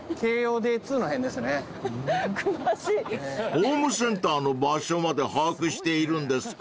［ホームセンターの場所まで把握しているんですか］